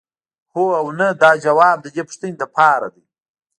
هو او نه دا ځواب د دې پوښتنې لپاره دی.